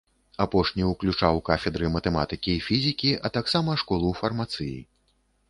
Апошні ўключаў кафедры матэматыкі і фізікі, а таксама школу фармацыі.